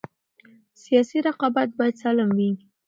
سیاسي رقابت باید سالم وي